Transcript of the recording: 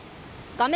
画面